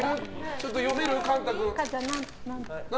ちょっと読めるかな？